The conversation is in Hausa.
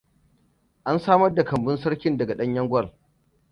An samar da kambun sarkin daga ɗanyen gwal.